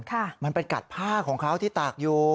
ค่ะมันไปกัดผ้าของเขาที่ตากอยู่